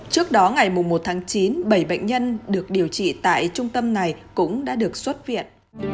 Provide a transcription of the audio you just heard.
trước đó ngày một tháng chín bảy bệnh nhân được điều trị tại trung tâm này cũng đã được xuất viện